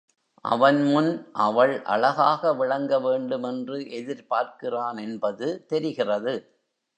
அவன் முன் அவள் அழகாக விளங்க வேண்டும் என்று எதிர்பார்க்கிறான் என்பது தெரிகிறது.